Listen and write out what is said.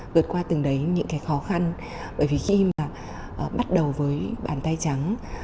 vượt qua từng đấy những cái khó khăn bởi vì khi mà bắt đầu với bàn tay trắng